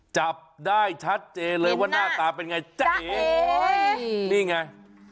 จับได้ชัดเจนเลยว่าหน้าตาเป็นไงจ้าเอ๋นี่ไง